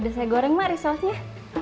udah saya goreng mak risosnya